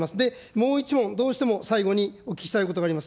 もう一問、どうしても最後にお聞きしたいことがあります。